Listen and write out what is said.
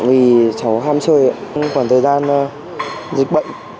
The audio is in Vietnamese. vì cháu ham chơi khoảng thời gian dịch bệnh